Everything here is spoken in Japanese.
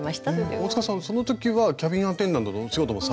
大さんその時はキャビンアテンダントのお仕事もされながらですか？